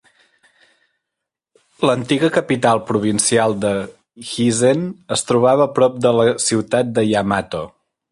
L'antiga capital provincial de Hizen es trobava prop de la ciutat de Yamato.